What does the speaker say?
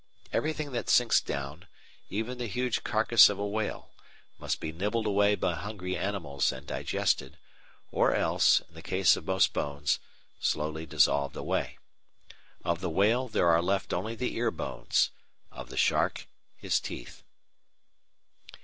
Everything that sinks down, even the huge carcase of a whale, must be nibbled away by hungry animals and digested, or else, in the case of most bones, slowly dissolved away. Of the whale there are left only the ear bones, of the shark his teeth.